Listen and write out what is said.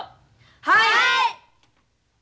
はい！